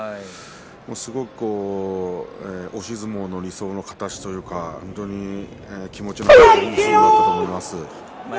すごく押し相撲の理想の形というか本当に気持ちのいい相撲っぷりだったと思います。